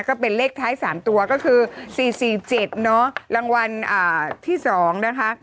ก็เป็นเลขท้ายสามตัวก็คือสี่สี่เจ็ดเนาะรางวัลอ่าที่สองนะคะ